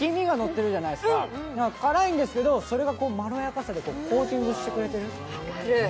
上に黄身がのってるじゃないですが、辛いんですけど、それがコーティングしてくれている。